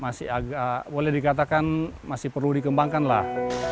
masih agak boleh dikatakan masih perlu dikembangkan lah